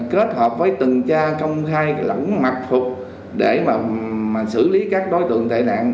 kết hợp với từng gia công khai lẫn mặt phục để xử lý các đối tượng tệ nạn